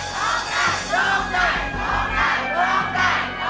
โทษให้โทษให้โทษให้